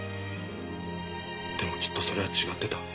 でもきっとそれは違ってた。